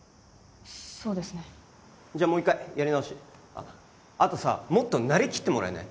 そうですねじゃもう一回やり直しあとさもっとなりきってもらえない？